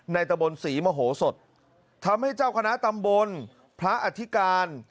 ตะบนศรีมโหสดทำให้เจ้าคณะตำบลพระอธิการ